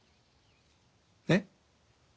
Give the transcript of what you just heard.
えっ？